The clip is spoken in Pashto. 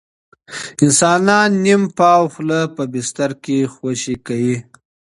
انسان نیم پاوه خوله په بستر کې خوشې کوي.